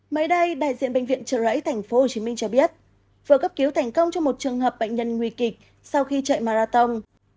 mới đây đại diện bệnh viện trợ rẫy tp hcm cho biết vừa cấp cứu thành công cho một trường hợp bệnh nhân nguy kịch sau khi chạy marathon